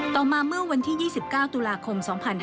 ต่อมาเมื่อวันที่๒๙ตุลาคม๒๕๕๙